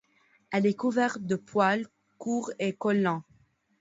Elle est couverte de poils courts et collants.